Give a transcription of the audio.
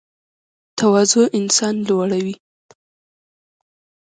تواضع انسان لوړوي